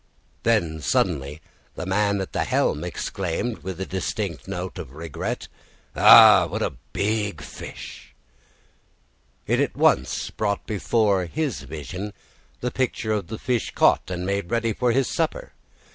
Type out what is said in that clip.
Then suddenly the man at the helm exclaimed with a distinct note of regret, "Ah, what a big fish!" It at once brought before his vision the picture of the fish caught and made ready for his supper.